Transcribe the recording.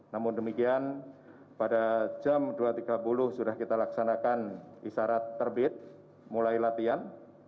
namun demikian pada jam dua tiga puluh sudah kita laksanakan isyarat terbit mulai latihan